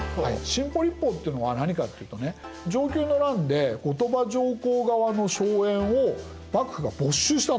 新補率法っていうのは何かというとね承久の乱で後鳥羽上皇側の荘園を幕府が没収したんです。